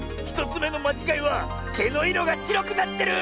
１つめのまちがいはけのいろがしろくなってる！